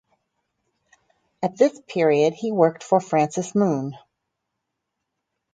At this period he worked for Francis Moon.